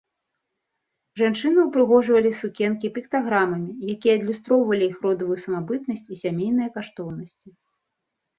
Жанчыны ўпрыгожвалі сукенкі піктаграмамі, якія адлюстроўвалі іх родавую самабытнасць і сямейныя каштоўнасці.